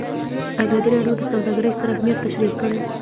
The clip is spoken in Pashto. ازادي راډیو د سوداګري ستر اهميت تشریح کړی.